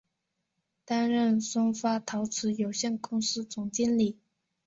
担任松发陶瓷有限公司总经理。